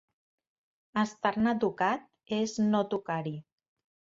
Estar-ne tocat és no tocar-hi.